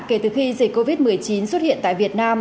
kể từ khi dịch covid một mươi chín xuất hiện tại việt nam